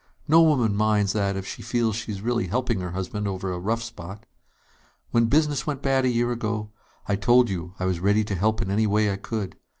No woman minds that if she feels she is really helping her husband over a rough spot. When business went bad a year ago, I told you I was ready to help in any way I could.